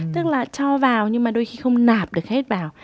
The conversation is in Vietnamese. tức là cho vào nhưng mà đôi khi không nạp được hết vào